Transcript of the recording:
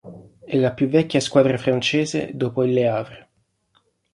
È la più vecchia squadra francese dopo il Le Havre.